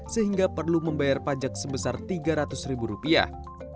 sehingga perlu membayar pajak sebesar tiga ratus ribu rupiah